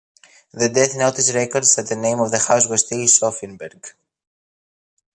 The death notice records that the name of the house was still Sophienberg.